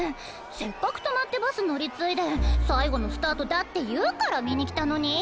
せっかく泊まってバス乗り継いで最後のスタートだっていうから見にきたのに！